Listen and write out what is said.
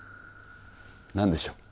何でしょう？